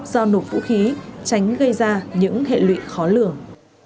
giao nộp vũ khí tránh gây ra những hệ lụy khó lường